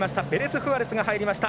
フアレスが入りました。